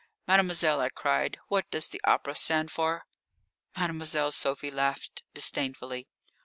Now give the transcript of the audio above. "Mademoiselle," I cried, "what does the Opera stand for?" Mademoiselle Sophie laughed disdainfully.